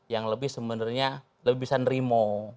yang lebih sebenarnya lebih bisa nerimo